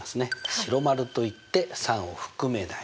白丸といって３を含めない。